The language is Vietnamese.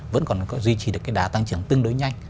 vẫn còn duy trì được cái đà tăng trưởng tương đối nhanh